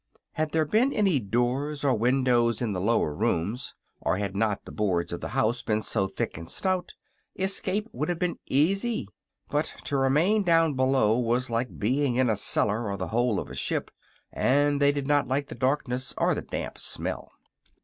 Had there been any doors or windows in the lower rooms, or had not the boards of the house been so thick and stout, escape would have been easy; but to remain down below was like being in a cellar or the hold of a ship, and they did not like the darkness or the damp smell.